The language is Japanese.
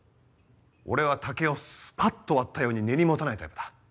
俺は竹をスパっと割ったように根に持たないタイプだ。